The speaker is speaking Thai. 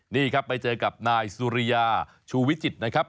นี่ครับไปเจอกับนายสุริยาชูวิจิตรนะครับ